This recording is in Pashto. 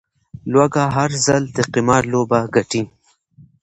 لوږه، هر ځل د قمار لوبه ګټي